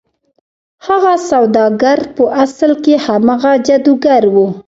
هغه سوداګر په اصل کې هماغه جادوګر و.